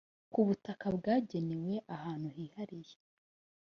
ku butaka bwagenewe ahantu hihariye